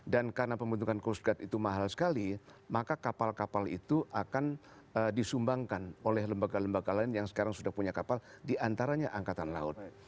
dan karena pembentukan coast guard itu mahal sekali maka kapal kapal itu akan disumbangkan oleh lembaga lembaga lain yang sekarang sudah punya kapal diantaranya angkatan laut